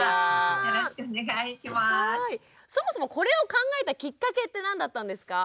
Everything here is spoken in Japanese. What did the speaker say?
そもそもこれを考えたきっかけって何だったんですか？